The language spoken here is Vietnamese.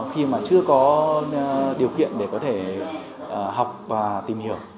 khi mà chưa có điều kiện để có thể học và tìm hiểu